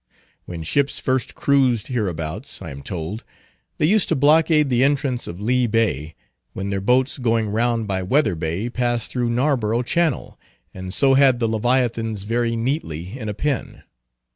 When ships first cruised hereabouts, I am told, they used to blockade the entrance of Lee Bay, when their boats going round by Weather Bay, passed through Narborough channel, and so had the Leviathans very neatly in a pen.